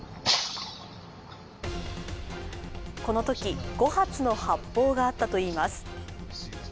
このとき、５発の発砲があったといいます。